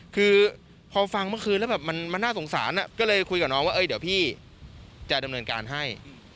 คือพอฟังเมื่อคืนแล้วแบบมันน่าสงสารก็เลยคุยกับน้องว่าเดี๋ยวพี่จะดำเนินการให้